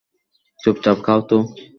চুপচাপ খাও তো।